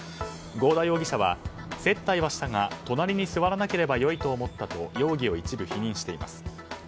郷田容疑者は接待はしたが、隣に座らなければ良いと思ったと容疑を一部否認しています。